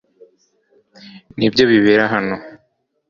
Nibyo bibera hano .